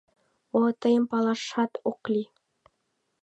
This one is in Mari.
— О-о, тыйым палашат ок лий.